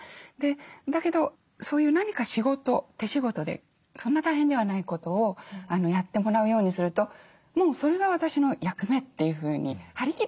だけどそういう何か仕事手仕事でそんな大変ではないことをやってもらうようにするともうそれが私の役目っていうふうに張り切ってくれるんですよね。